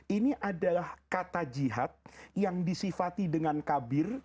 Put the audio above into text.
ini adalah kata jihad yang disifati dengan kabir